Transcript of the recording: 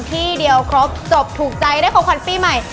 ที่เดียวครบจบถูกใจได้ของขวัญปีใหม่